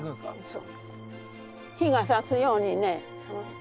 そう。